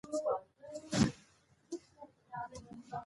د هنر په مرسته انسان کولای شي خپل احساسات په ښکلي بڼه بیان کړي.